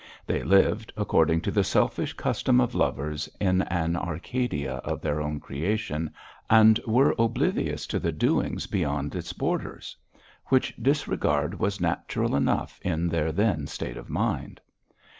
They lived, according to the selfish custom of lovers, in an Arcadia of their own creation, and were oblivious to the doings beyond its borders. Which disregard was natural enough in their then state of mind.